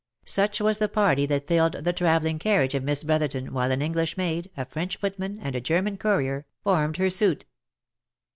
Such was the party that filled the travelling carriage of Miss Bro therton, while sua English maid, a French footman, and a German courier, formed her suite.